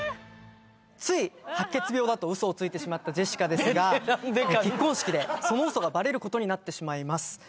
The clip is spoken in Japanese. つい白血病だとウソをついてしまったジェシカですが結婚式でそのウソがバレることになってしまいます